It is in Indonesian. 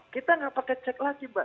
kita nggak pakai cek lagi mbak